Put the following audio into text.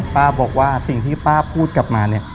ป้าบอกว่าสิ่งที่ป้าพูดกลับมาเนี่ย